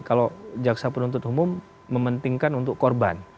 kalau jaksa penuntut umum mementingkan untuk korban